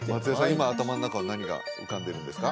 今頭の中は何が浮かんでるんですか？